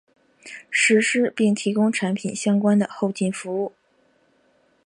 实施并提供产品相关的后勤服务。